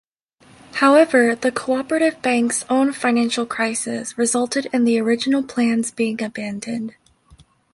However, the Co-operative Bank's own financial crisis resulted in the original plans being abandoned.